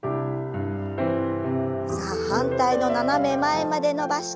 さあ反対の斜め前まで伸ばして戻します。